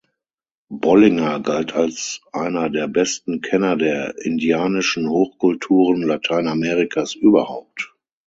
Bollinger galt als einer der besten Kenner der indianischen Hochkulturen Lateinamerikas überhaupt.